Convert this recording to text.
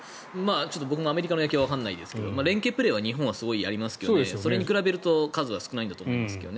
僕もアメリカの野球はわからないですけど連係プレーは日本はすごいやりますけどそれに比べると数は少ないんだと思いますけどね。